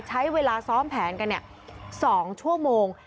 ใช้เวลาซ้อมแผนกัน๒ชั่วโมง